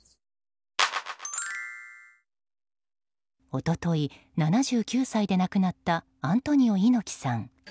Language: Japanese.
一昨日、７９歳で亡くなったアントニオ猪木さん。